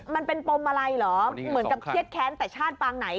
มันเป็นปมอะไรเหรอเหมือนกับเครียดแค้นแต่ชาติปางไหน